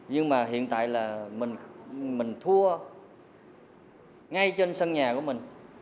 nhưng mà hiện tại là mình thua ngay trên sân nhà của mình